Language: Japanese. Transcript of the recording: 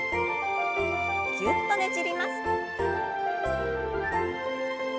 ぎゅっとねじります。